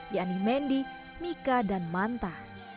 yakni mendy mika dan manta